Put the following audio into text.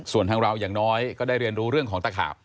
ส่วนทางเราอย่างน้อยก็ได้เรียนรู้เรื่องของตะขาบ